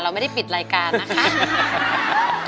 ไม่ได้ปิดรายการนะคะ